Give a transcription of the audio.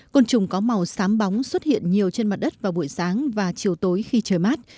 côn trùng có màu sám bóng xuất hiện nhiều trên mặt đất vào buổi sáng và chiều tối khi trời mát